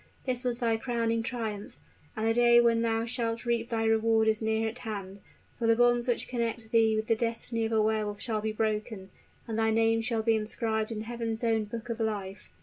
This was thy crowning triumph: and the day when thou shalt reap thy reward is near at hand; for the bonds which connect thee with the destiny of a Wehr Wolf shall be broken, and thy name shall be inscribed in Heaven's own Book of Life!